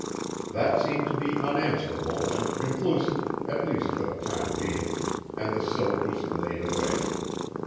That seemed to be unanswerable and conclusive, at least for the time being, and the silk was laid away.